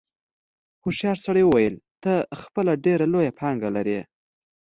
هوښیار سړي وویل ته خپله ډېره لویه پانګه لرې.